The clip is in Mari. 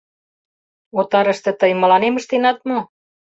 Отарыште тый мыланем ыштенат мо?